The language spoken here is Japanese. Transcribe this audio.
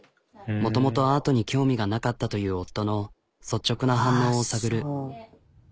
もともとアートに興味がなかったという夫の率直な反応を探る。